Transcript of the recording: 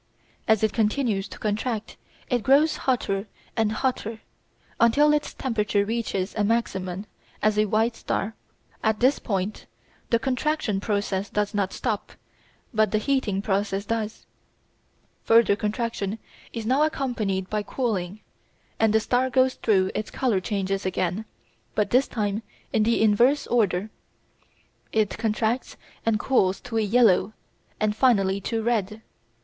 As it continues to contract it grows hotter and hotter until its temperature reaches a maximum as a white star. At this point the contraction process does not stop, but the heating process does. Further contraction is now accompanied by cooling, and the star goes through its colour changes again, but this time in the inverse order. It contracts and cools to yellow and finally to red.